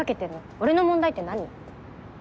「俺の問題」って何？